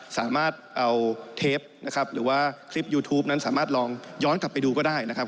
สามารถเอาเทปนะครับหรือว่าคลิปยูทูปนั้นสามารถลองย้อนกลับไปดูก็ได้นะครับ